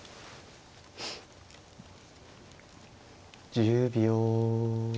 １０秒。